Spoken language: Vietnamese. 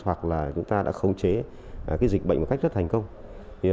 hoặc là chúng ta đã khống chế dịch bệnh một cách rất thành công